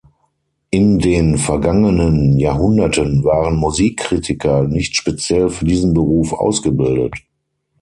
In den vergangenen Jahrhunderten waren Musikkritiker nicht speziell für diesen Beruf ausgebildet.